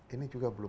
ini juga belum